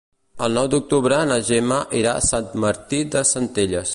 El nou d'octubre na Gemma irà a Sant Martí de Centelles.